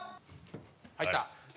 入った。